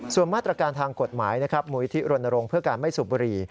ส่วนมาตรการทางกฎหมายมุยที่รณรงค์เพื่อการไม่สูบบุรี